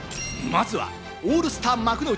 まずは、オールスター幕の内。